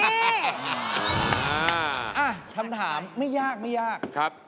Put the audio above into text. อ้าคำถามไม่ยาก